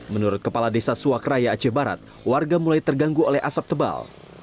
menurut kepala desa suwakraya aceh barat warga mulai terganggu oleh asap tebal